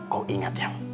kau ingat ya